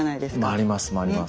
回ります回ります。